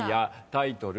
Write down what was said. タイトル。